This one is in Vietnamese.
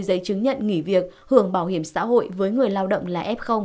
giấy chứng nhận nghỉ việc hưởng bảo hiểm xã hội với người lao động là f